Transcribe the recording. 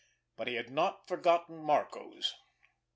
But he had not forgotten Marco's.